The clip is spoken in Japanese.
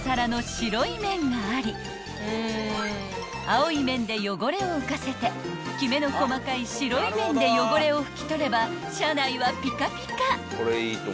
［青い面で汚れを浮かせてきめの細かい白い面で汚れを拭き取れば車内はピカピカ！］